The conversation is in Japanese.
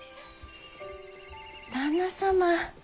旦那様。